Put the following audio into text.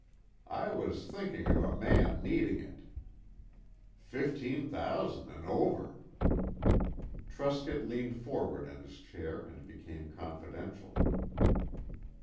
"I was thinking of a man needing it." "Fifteen thousand an' over." Truscott leant forward in his chair and became confidential.